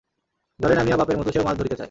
জলে নামিয়া বাপের মতো সেও মাছ ধরিতে চায়।